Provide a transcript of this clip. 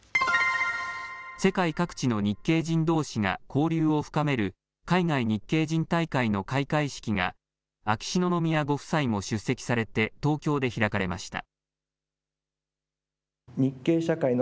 世界各地の日系人どうしが交流を深める海外日系人大会の開会式が秋篠宮ご夫妻も出席されて東京で開かれました。